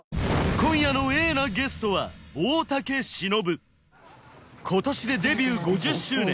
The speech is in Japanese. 今夜のＡなゲストは今年でデビュー５０周年